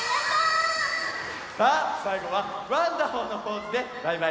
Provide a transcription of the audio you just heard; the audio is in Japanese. さあさいごはワンダホーのポーズでバイバイしようね！